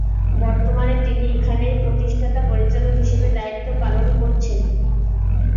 বর্তমানে তিনি এখানেই প্রতিষ্ঠাতা পরিচালক হিসেবে দায়িত্ব পালন করছেন।